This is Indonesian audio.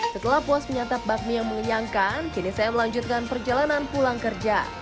setelah puas menyantap bakmi yang mengenyangkan kini saya melanjutkan perjalanan pulang kerja